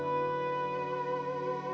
aku juga percaya begitu aja